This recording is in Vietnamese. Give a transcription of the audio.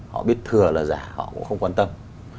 họ biết thừa là giả họ cũng không quan tâm